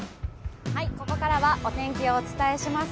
ここからはお天気をお伝えします。